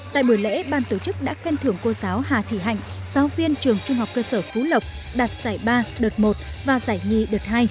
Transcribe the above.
tại buổi lễ ban tổ chức đã khen thưởng cô giáo hà thị hạnh giáo viên trường trung học cơ sở phú lộc đạt giải ba đợt một và giải nhì đợt hai